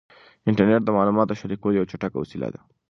انټرنیټ د معلوماتو د شریکولو یوه چټکه وسیله ده.